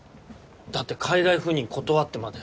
だって海外赴任断ってまで。